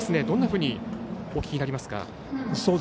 どんなふうにお聞きになりますか。